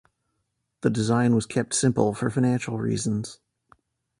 The design was kept simple for financial reasons.